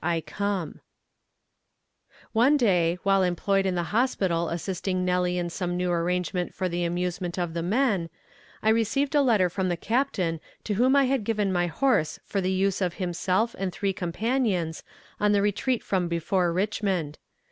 I come. One day, while employed in the hospital assisting Nellie in some new arrangement for the amusement of the men, I received a letter from the captain to whom I had given my horse for the use of himself and three companions on the retreat from before Richmond.